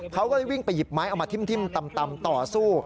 เขาก็เลยวิ่งไปหยิบไม้เอามาทิ้มตำต่อสู้